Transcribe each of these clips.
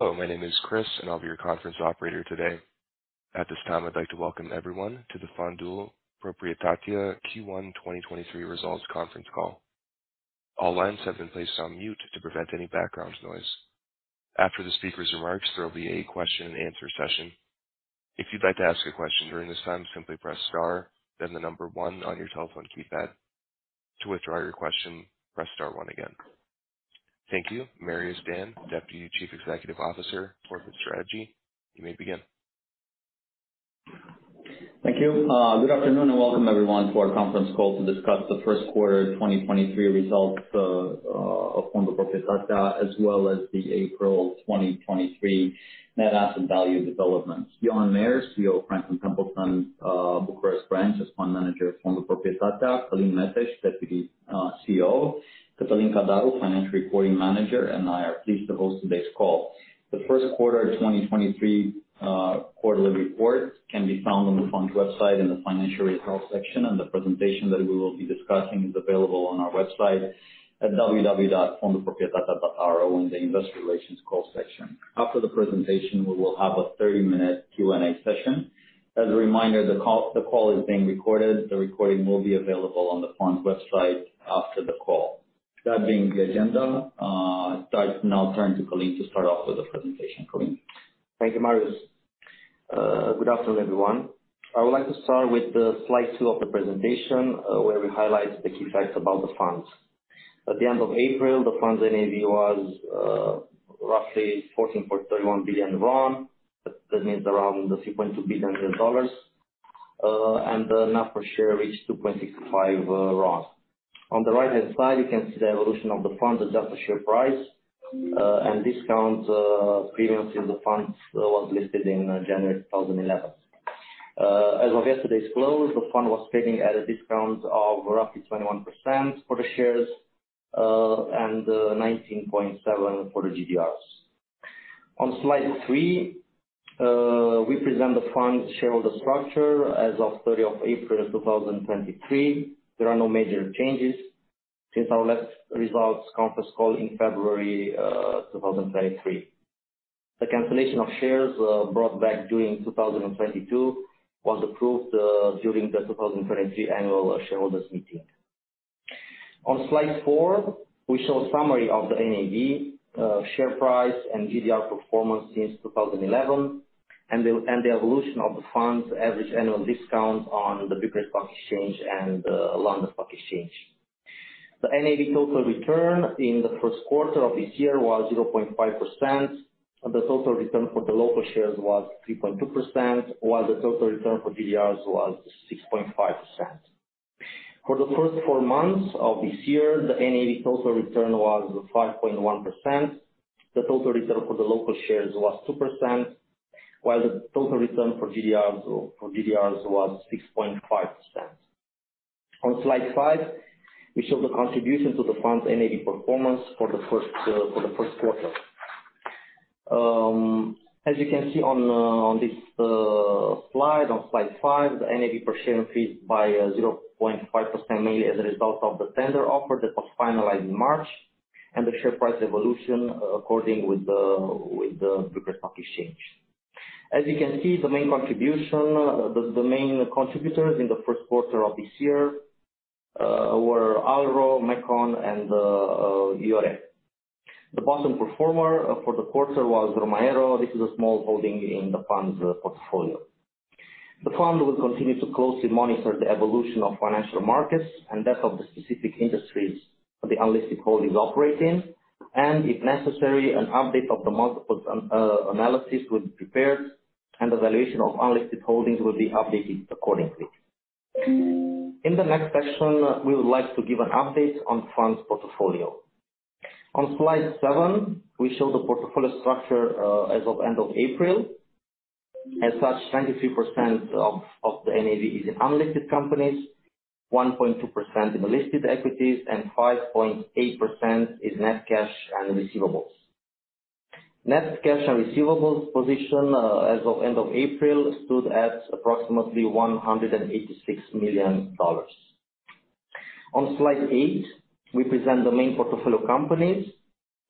Hello, my name is Chris, and I'll be your conference operator today. At this time, I'd like to welcome everyone to the Fondul Proprietatea Q1 2023 results conference call. All lines have been placed on mute to prevent any background noise. After the speaker's remarks, there will be a question and answer session. If you'd like to ask a question during this time, simply press star then the number one on your telephone keypad. To withdraw your question, press star one again. Thank you. Marius Dan, Deputy Chief Executive Officer, Corporate Strategy, you may begin. Thank you. Good afternoon and welcome everyone to our conference call to discuss the first quarter 2023 results of Fondul Proprietatea, as well as the April 2023 net asset value developments. Johan Meyer, CEO of Franklin Templeton, Bucharest branch, as fund manager of Fondul Proprietatea. Călin Meteș, Deputy CEO. Cătălin Cadariu, Financial Reporting Manager, and I are pleased to host today's call. The first quarter 2023 quarterly report can be found on the fund's website in the financial results section, and the presentation that we will be discussing is available on our website at www.fondulproprietatea.ro in the investor relations call section. After the presentation, we will have a 30-minute Q&A session. As a reminder, the call is being recorded. The recording will be available on the fund website after the call. That being the agenda, I'll now turn to Calin to start off with the presentation. Calin. Thank you, Marius. Good afternoon, everyone. I would like to start with the slide two of the presentation, where we highlight the key facts about the funds. At the end of April, the fund's NAV was roughly RON 14.31 billion. That means around $6.2 billion. And the NAV per share reached RON 2.65. On the right-hand side, you can see the evolution of the fund, the NAV per share price, and discount, previously the fund was listed in January 2011. As of yesterday's close, the fund was trading at a discount of roughly 21% for the shares, and 19.7% for the GDRs. On slide three, we present the fund's shareholder structure as of April 3rd, 2023. There are no major changes since our last results conference call in February, 2023. The cancellation of shares brought back during 2022 was approved during the 2023 annual shareholders meeting. On slide four, we show a summary of the NAV, share price, and GDR performance since 2011, and the evolution of the fund's average annual discount on the Bucharest Stock Exchange and the London Stock Exchange. The NAV total return in the 1st quarter of this year was 0.5%. The total return for the local shares was 3.2%, while the total return for GDRs was 6.5%. For the 1st four months of this year, the NAV total return was 5.1%. The total return for the local shares was 2%, while the total return for GDRs was 6.5%. On slide five, we show the contribution to the fund's NAV performance for the first quarter. As you can see on this slide, on slide five the NAV per share increased by 0.5% mainly as a result of the tender offer that was finalized in March and the share price evolution according with the Bucharest Stock Exchange. As you can see, the main contributors in the first quarter of this year were ALRO, Mecon, and IOR. The bottom performer for the quarter was Romaero. This is a small holding in the fund's portfolio. The fund will continue to closely monitor the evolution of financial markets and that of the specific industries that the unlisted holdings operate in, and if necessary, an update of the multiple analysis will be prepared, and the valuation of unlisted holdings will be updated accordingly. In the next section, we would like to give an update on funds portfolio. On slide seven, we show the portfolio structure as of end of April. As such, 23% of the NAV is in unlisted companies, 1.2% in unlisted equities, and 5.8% is net cash and receivables. Net cash and receivables position as of end of April, stood at approximately $186 million. Slide eight, we present the main portfolio companies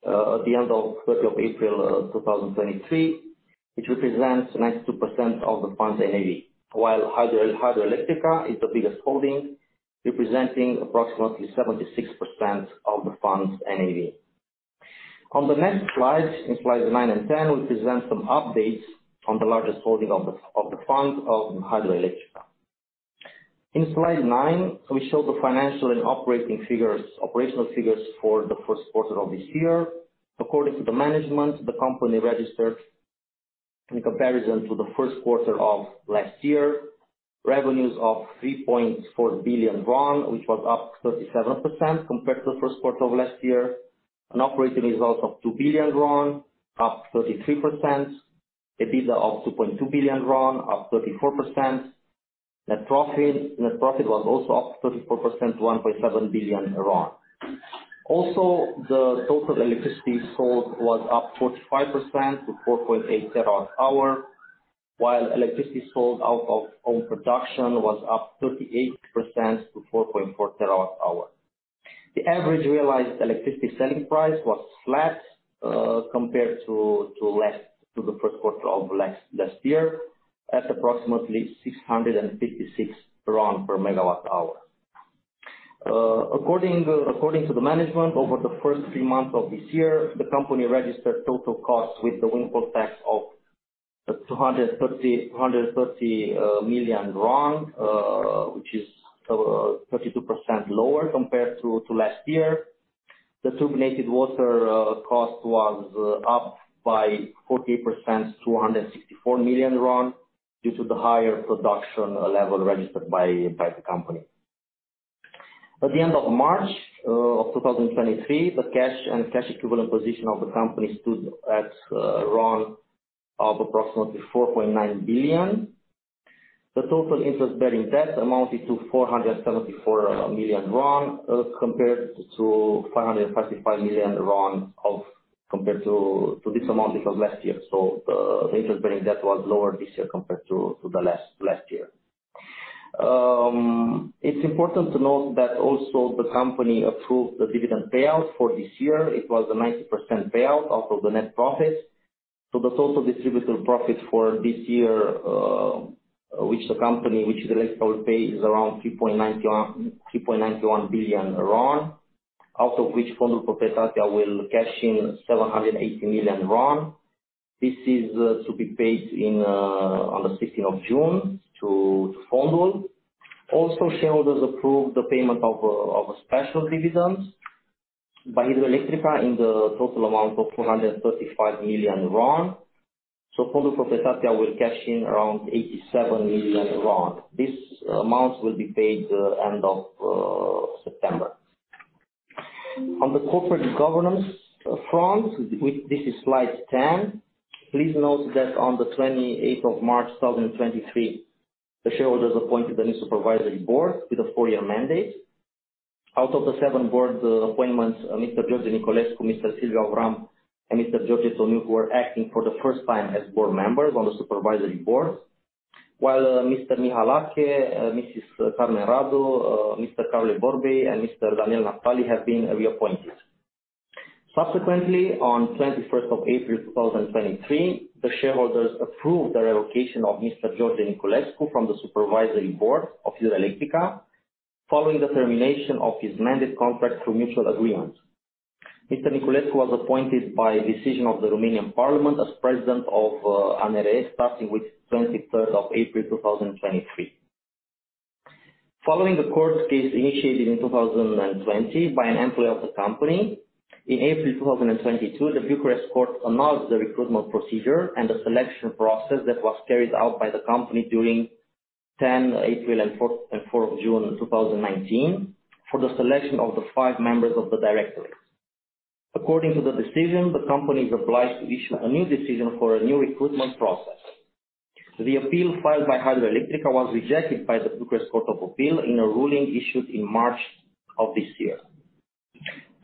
at the end of 3rd of April 2023, which represents 92% of the fund's NAV. Hidroelectrica is the biggest holding, representing approximately 76% of the fund's NAV. The next slide nine and 10, we present some updates on the largest holding of the fund of Hidroelectrica. Slide nine, we show the financial and operating figures, operational figures for the first quarter of this year. According to the management, the company registered in comparison to the first quarter of last year, revenues of RON 3.4 billion, which was up 37% compared to the first quarter of last year. An operating result of RON 2 billion, up 33%. EBITDA of RON 2.2 billion, up 34%. Net profit was also up 34%, RON 1.7 billion. The total electricity sold was up 45% to 4.8 terawatt-hour, while electricity sold out of own production was up 38% to 4.4 terawatt-hour. The average realized electricity selling price was flat compared to the first quarter of last year at approximately RON 656 per megawatt-hour. According to the management, over the first three months of this year, the company registered total costs with the wind power tax of RON 230 million, which is 32% lower compared to last year. The turbinated water cost was up by 40% to RON 264 million due to the higher production level registered by the company. At the end of March 2023, the cash and cash equivalent position of the company stood at approximately RON 4.9 billion. The total interest-bearing debt amounted to RON 474 million compared to RON 555 million compared to this amount of last year. The interest-bearing debt was lower this year compared to the last year. It's important to note that also the company approved the dividend payout for this year. It was a 90% payout of the net profits. The total distributable profit for this year, which the company, which Electrica will pay is around RON 3.91 billion, out of which Fondul Proprietatea will cash in RON 780 million. This is to be paid on the 16th of June to Fondul. Shareholders approved the payment of a special dividend by Hidroelectrica in the total amount of RON 435 million. Fondul Proprietatea will cash in around RON 87 million. This amount will be paid end of September. On the corporate governance front, this is slide 10. Please note that on the 28th of March 2023, the shareholders appointed a new supervisory board with a four-year mandate. Out of the seven board appointments, Mr. George Niculescu, Mr. Silvia Oram, and Mr. George Tonuț, who are acting for the first time as board members on the supervisory board, while Mr. Mihalache, Mrs. Carmen Radu, Mr. Károly Borbély, and Mr. Daniel Naftali have been reappointed. Subsequently, on 21st of April 2023, the shareholders approved the revocation of Mr. George Niculescu from the supervisory board of Hidroelectrica following the termination of his mandate contract through mutual agreement. Mr. Niculescu was appointed by decision of the Romanian parliament as President of ANRE starting with 23rd of April 2023. Following the court case initiated in 2020 by an employee of the company, in April 2022, the Bucharest court annulled the recruitment procedure and the selection process that was carried out by the company during 10th April and 4th of June 2019 for the selection of the 5 members of the directorate. According to the decision, the company is obliged to issue a new decision for a new recruitment process. The appeal filed by Hidroelectrica was rejected by the Bucharest Court of Appeal in a ruling issued in March of this year.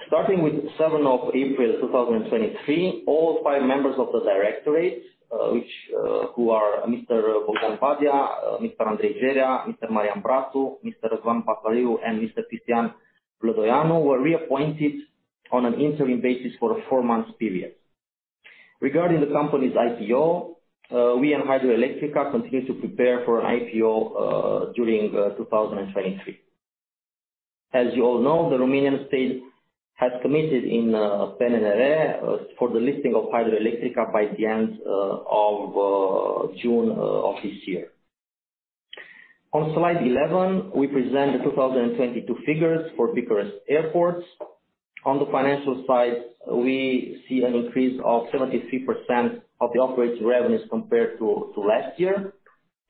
Starting with 7th of April 2023, all five members of the directorate, who are Mr. Bogdan Badea, Mr. Andrei Gerea, Mr. Marian Bratu, Mr. Răzvan-Tiberiu Pătaliu, and Mr. Cristian Vladoiu, were reappointed on an interim basis for a four-month period. Regarding the company's IPO, we at Hidroelectrica continue to prepare for an IPO during 2023. As you all know, the Romanian state had committed in PNRR for the listing of Hidroelectrica by the end of June of this year. On slide 11, we present the 2022 figures for Bucharest Airports. On the financial side, we see an increase of 73% of the operating revenues compared to last year.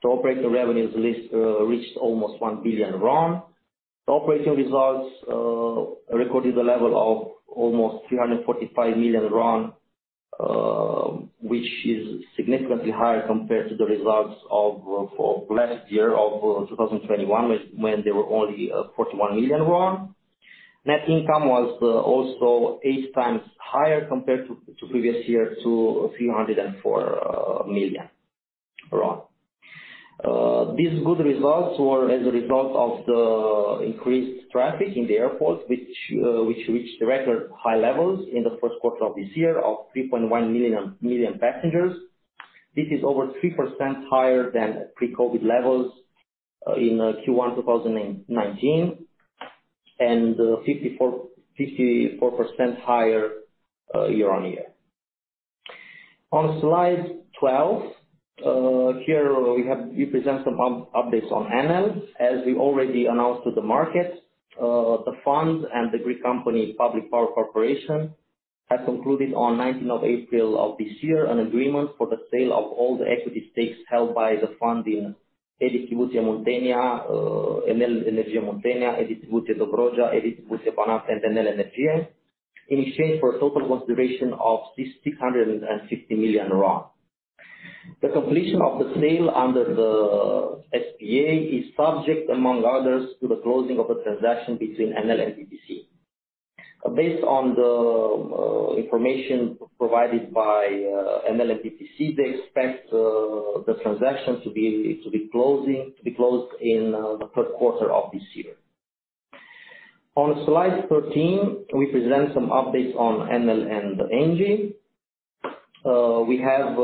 Operating revenues at least reached almost RON 1 billion. The operating results recorded a level of almost RON 345 million, which is significantly higher compared to the results of last year of 2021, which when they were only RON 41 million. Net income was also 8x higher compared to previous year to RON 304 million. These good results were as a result of the increased traffic in the airport which reached record high levels in the first quarter of this year of 3.1 million passengers. This is over 3% higher than pre-COVID levels in Q1 2019, and 54% higher year-on-year. On slide 12, here we present some updates on Enel. As we already announced to the market, the fund and the Greek company Public Power Corporation had concluded on 19th of April of this year an agreement for the sale of all the equity stakes held by the fund in Rețele Electrice Muntenia, Enel Energie Muntenia, Rețele Electrice Dobrogea, Rețele Electrice Banat, and Enel Energie in exchange for a total consideration of RON 660 million. The completion of the sale under the SPA is subject, among others, to the closing of the transaction between Enel and PPC. Based on the information provided by Enel and PPC, they expect the transaction to be closed in the first quarter of this year. On slide 13, we present some updates on Enel and ENGIE. We have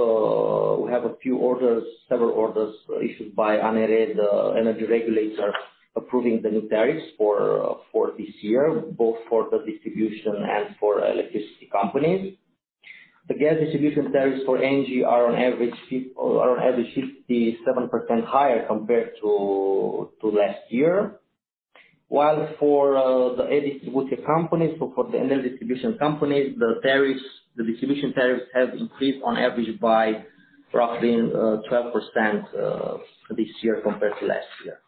a few orders, several orders issued by ANRE, the energy regulator, approving the new tariffs for this year, both for the distribution and for electricity companies. The gas distribution tariffs for ENGIE are on average 57% higher compared to last year. While for the electricity companies, so for the Enel distribution companies, the tariffs, the distribution tariffs have increased on average by roughly 12% this year compared to last year.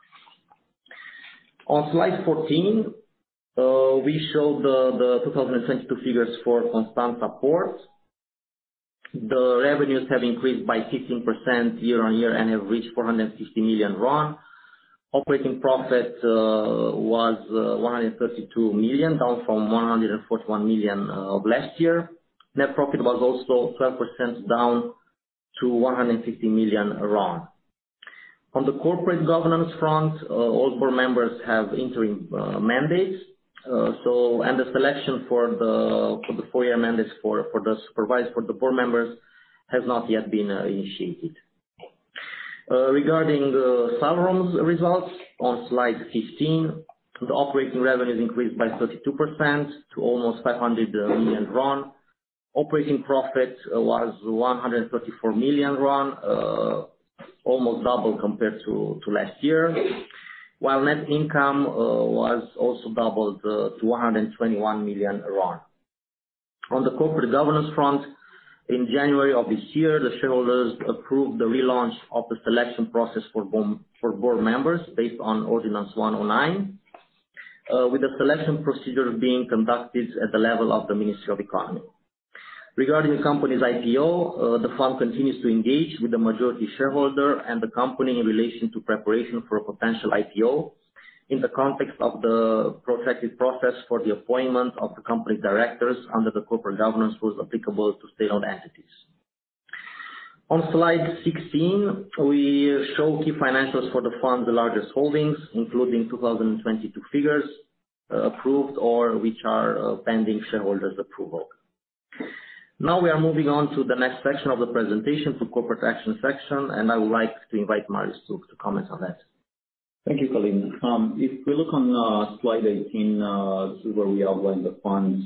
On slide 14, we show the 2022 figures for Constanta Port. The revenues have increased by 15% year-on-year and have reached RON 450 million. Operating profit was RON 132 million, down from RON 141 million of last year. Net profit was also 12% down to RON 150 million. On the corporate governance front, all board members have interim mandates. The selection for the four-year mandates for the board members has not yet been initiated. Regarding the Salrom's results on slide 15, the operating revenues increased by 32% to almost RON 500 million. Operating profit was RON 134 million, almost double compared to last year. While net income was also doubled to RON 121 million. On the corporate governance front, in January of this year, the shareholders approved the relaunch of the selection process for board members based on Ordinance 109, with the selection procedure being conducted at the level of the Ministry of Economy. Regarding the company's IPO, the fund continues to engage with the majority shareholder and the company in relation to preparation for a potential IPO, in the context of the protracted process for the appointment of the company directors under the corporate governance rules applicable to state-owned entities. On slide 16, we show key financials for the fund's largest holdings, including 2022 figures, approved or which are pending shareholders' approval. We are moving on to the next section of the presentation, to corporate action section, and I would like to invite Marius to comment on that. Thank you, Călin. If we look on slide 18, this is where we outline the fund's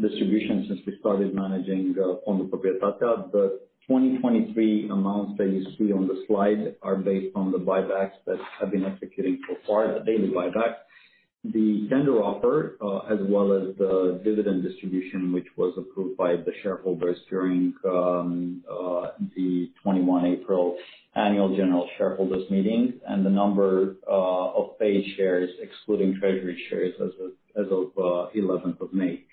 distribution since we started managing Fondul Proprietatea. The 2023 amounts that you see on the slide are based on the buybacks that have been executing so far, the daily buyback. The tender offer, as well as the dividend distribution, which was approved by the shareholders during the 21st April annual general shareholders meeting. The number of paid shares excluding treasury shares as of 11th of May.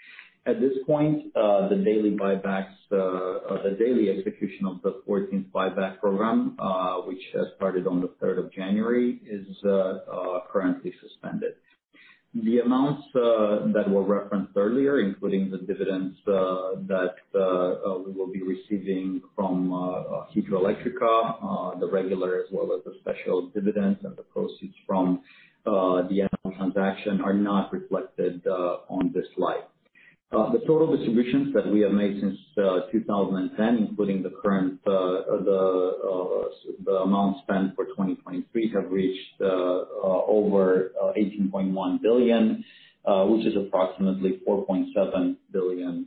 At this point, the daily buybacks, the daily execution of the 14th buyback program, which has started on the 3rd of January, is currently suspended. The amounts that were referenced earlier, including the dividends that we will be receiving from Hidroelectrica, the regular as well as the special dividends and the proceeds from the Enel transaction, are not reflected on this slide. The total distributions that we have made since 2010, including the current the amount spent for 2023, have reached over RON 18.1 billion, which is approximately $4.7 billion.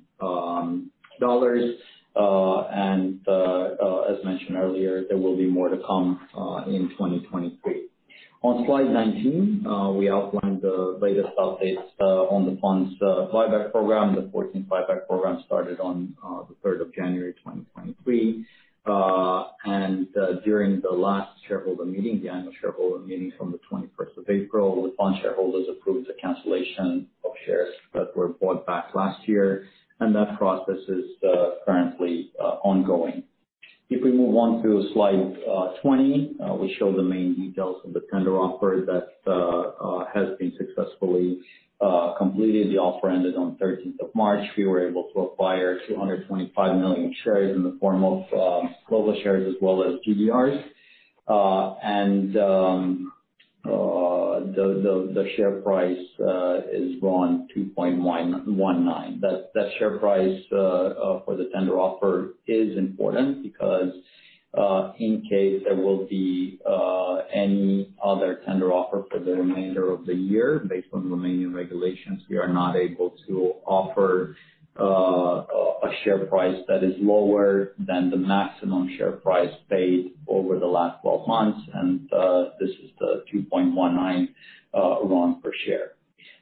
As mentioned earlier, there will be more to come in 2023. On slide 19, we outlined the latest updates on the fund's buyback program. The 14th buyback program started on the 3rd of January, 2023. During the last shareholder meeting, the annual shareholder meeting from the 21st of April, the fund shareholders approved the cancellation of shares that were bought back last year. That process is currently ongoing. If we move on to slide 20, we show the main details of the tender offer that has been successfully completed. The offer ended on 13th of March. We were able to acquire 225 million shares in the form of global shares as well as GDRs. The share price is RON 2.119. That share price for the tender offer is important because in case there will be any other tender offer for the remainder of the year, based on Romanian regulations, we are not able to offer a share price that is lower than the maximum share price paid over the last 12 months. This is the 2.19 RON per share.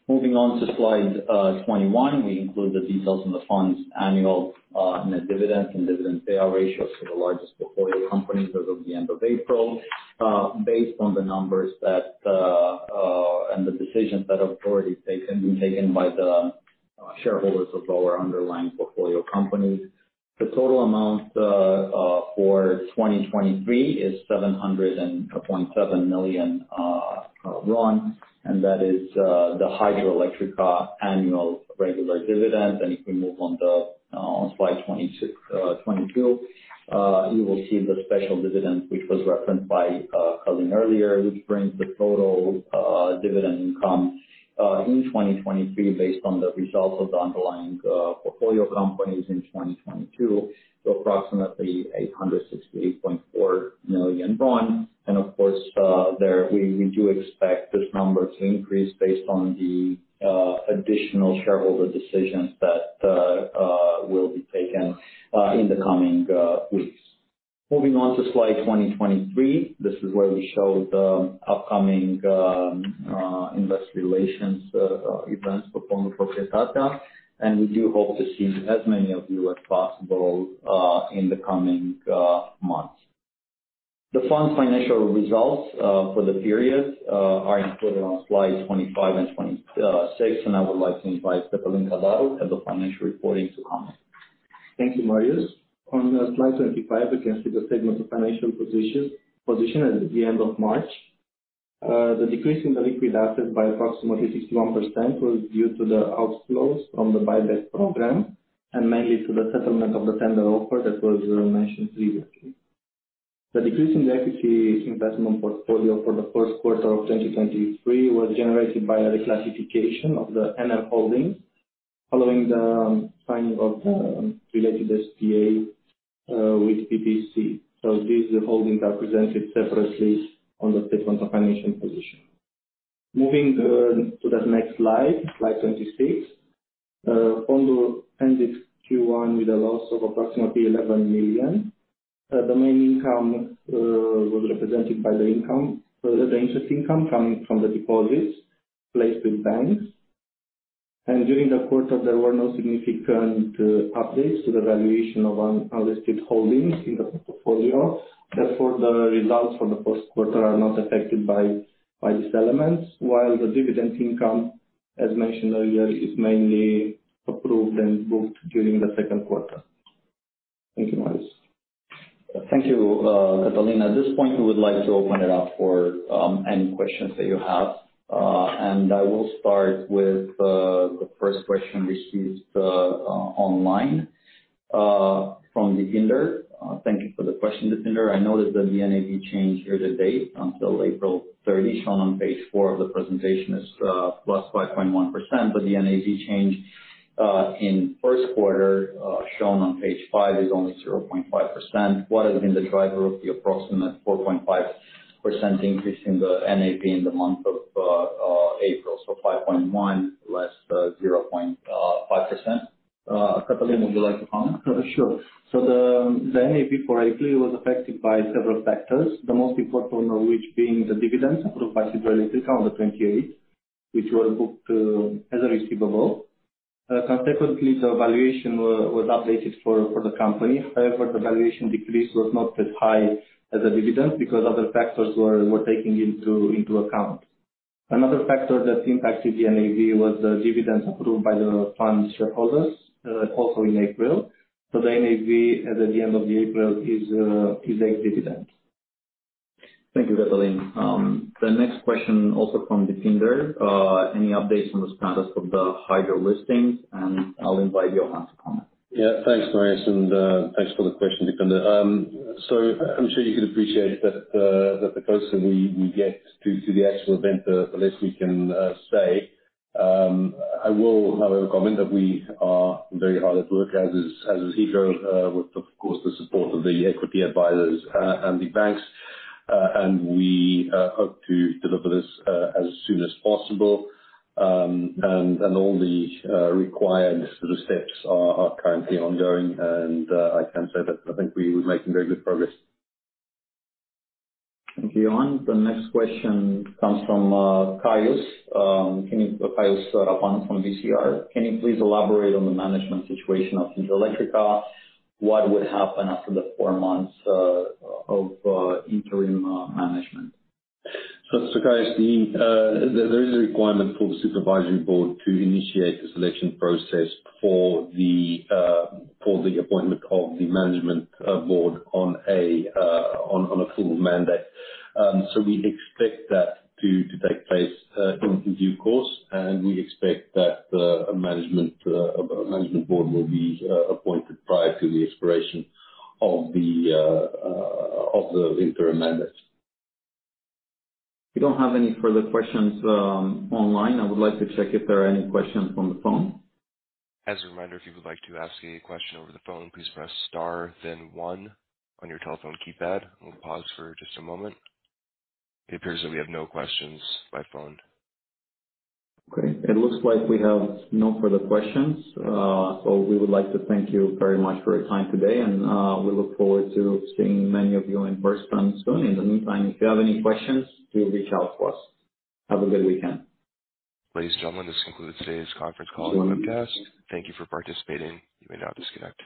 Moving on to slide 21, we include the details on the fund's annual net dividends and dividend payout ratios for the largest portfolio companies as of the end of April. Based on the numbers that and the decisions that have already been taken by the shareholders of our underlying portfolio companies. The total amount for 2023 is RON 700.7 million, and that is the Hidroelectrica annual regular dividend. If we move on slide 22, you will see the special dividend which was referenced by Călin earlier, which brings the total dividend income in 2023 based on the results of the underlying portfolio companies in 2022 to approximately RON 868.4 million. Of course, there we do expect this number to increase based on the additional shareholder decisions that will be taken in the coming weeks. Moving on to slide 2023, this is where we show the upcoming investor relations events for Fondul Proprietatea, and we do hope to see as many of you as possible in the coming months. The fund financial results for the period are included on slide 25 and 26. I would like to invite Cătălin Cadariu, Head of Financial Reporting to comment. Thank you, Marius. On slide 25, you can see the statement of financial position at the end of March. The decrease in the liquid assets by approximately 61% was due to the outflows from the buyback program, and mainly to the settlement of the tender offer that was mentioned previously. The decrease in the equity investment portfolio for the first quarter of 2023 was generated by a reclassification of the Enel holdings following the signing of the related SPA with PPC. These holdings are presented separately on the statement of financial position. Moving to the next slide 26. Fondul ended Q1 with a loss of approximately RON 11 million. The main income was represented by the interest income from the deposits placed with banks. During the quarter there were no significant updates to the valuation of unlisted holdings in the portfolio. Therefore, the results for the first quarter are not affected by these elements, while the dividend income, as mentioned earlier, is mainly approved and booked during the second quarter. Thank you, Marius. Thank you, Cătălin. At this point we would like to open it up for any questions that you have. I will start with the first question received online from Deepinder. Thank you for the question, Deepinder. I noticed that the NAV change year to date until April 30th shown on page 4 of the presentation is +5.1%. The NAV change in first quarter shown on page 5 is only 0.5%. What has been the driver of the approximate 4.5% increase in the NAV in the month of April? 5.1 less 0.5%. Cătălin, would you like to comment? Sure. The NAV correctly was affected by several factors, the most important of which being the dividends approved by Hidroelectrica on the 28th, which was booked as a receivable. Consequently, the valuation was updated for the company. However, the valuation decrease was not as high as the dividend because other factors were taken into account. Another factor that impacted the NAV was the dividends approved by the fund shareholders also in April. The NAV at the end of April is ex-dividend. Thank you, Cătălin. The next question also from Deepinder. Any updates on the status of the Hidroelectrica listing? I'll invite Johan to comment. Yeah. Thanks, Marius, and thanks for the question, Deepinder. I'm sure you can appreciate that the closer we get to the actual event, the less we can say. I will, however, comment that we are very hard at work, as is Hidroelectrica, with, of course, the support of the equity advisors and the banks. We hope to deliver this as soon as possible. And all the required sort of steps are currently ongoing. I can say that I think we are making very good progress. Thank you, Johan. The next question comes from Caius Râșnoveanu from BCR. Can you please elaborate on the management situation of Hidroelectrica? What would happen after the 4 months of interim management? Marius, there is a requirement for the supervisory board to initiate the selection process for the appointment of the management board on a full mandate. We expect that to take place in due course. We expect that the management board will be appointed prior to the expiration of the interim mandate. We don't have any further questions, online. I would like to check if there are any questions from the phone. As a reminder, if you would like to ask any question over the phone, please press star then one on your telephone keypad. We'll pause for just a moment. It appears that we have no questions by phone. Okay. It looks like we have no further questions. We would like to thank you very much for your time today, and we look forward to seeing many of you in person soon. In the meantime, if you have any questions, do reach out to us. Have a good weekend. Ladies and gentlemen, this concludes today's conference call and webcast. Thank you for participating. You may now disconnect.